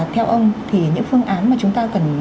theo ông thì những phương án mà chúng ta cần